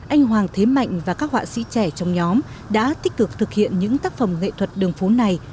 anh hoàng thế mạnh và các họa sĩ trẻ trong nhóm đã tích cực thực hiện những tác phẩm nghệ thuật đường phố này